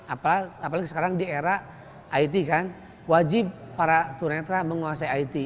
apalagi sekarang di era it kan wajib para tunanetra menguasai it